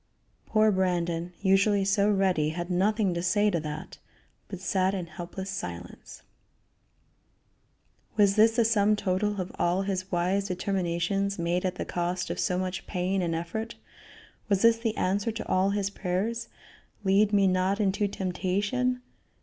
Poor Brandon, usually so ready, had nothing "to say to that," but sat in helpless silence. Was this the sum total of all his wise determinations made at the cost of so much pain and effort? Was this the answer to all his prayers, "Lead me not into temptation"?